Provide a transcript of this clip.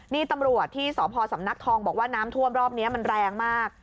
นี่ตำรวจที่สพสำนักทองบอกว่าน้ำท่วมรอบนี้มันแรงมาก